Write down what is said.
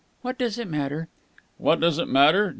What does it matter?" "What does it matter!